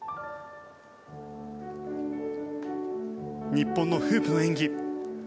日本のフープの演技。